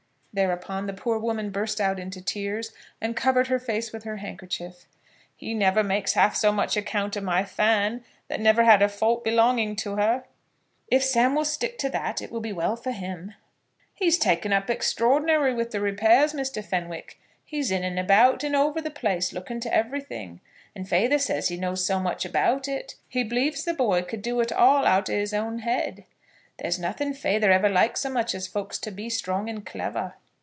Thereupon the poor woman burst out into tears, and covered her face with her handkerchief. "He never makes half so much account of my Fan, that never had a fault belonging to her." "If Sam will stick to that it will be well for him." "He's taken up extraordinary with the repairs, Mr. Fenwick. He's in and about and over the place, looking to everything; and feyther says he knows so much about it, he b'lieves the boy could do it all out o' his own head. There's nothing feyther ever liked so much as folks to be strong and clever."